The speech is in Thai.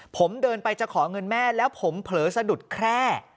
ผมเดินไปจะขอเงินแม่แล้วผมเผลอสะดุดแคร่